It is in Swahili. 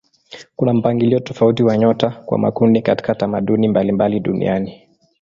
Kuna mpangilio tofauti wa nyota kwa makundi katika tamaduni mbalimbali duniani.